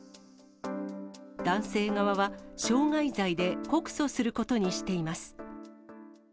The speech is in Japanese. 男性側は、傷害罪で告訴することにしています。